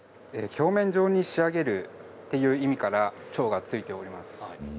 鏡面状に仕上げるという意味から超がついています。